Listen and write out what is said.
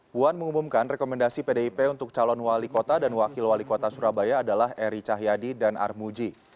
puan mengumumkan rekomendasi pdip untuk calon wali kota dan wakil wali kota surabaya adalah eri cahyadi dan armuji